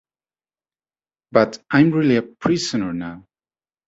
But I'm really a prisoner now.